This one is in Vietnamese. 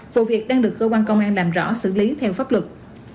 vụ việc đang được cơ quan công an làm rõ xử lý theo pháp luật